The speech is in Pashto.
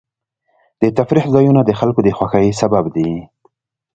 د تفریح ځایونه د خلکو د خوښۍ سبب دي.